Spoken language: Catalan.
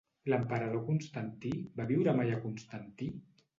L'emperador Constantí va viure mai a Constantí?